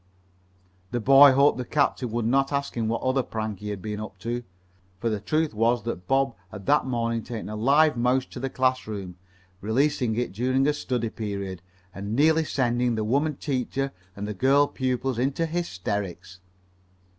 The boy hoped the captain would not ask him what other prank he had been up to, for the truth was that Bob had that morning taken a live mouse to the classroom, releasing it during a study period, and nearly sending the woman teacher and the girl pupils into hysterics.